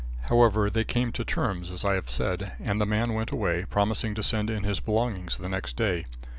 However, they came to terms as I have said, and the man went away, promising to send in his belongings the next day.